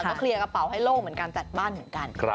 เคลียร์กระเป๋าให้โล่งเหมือนกันตัดบ้านเหมือนกัน